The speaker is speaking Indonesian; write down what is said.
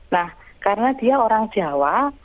nah karena dia orang jawa